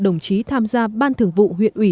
đồng chí tham gia ban thường vụ huyện ủy